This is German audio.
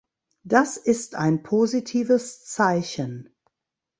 Das ist ein positives Zeichen.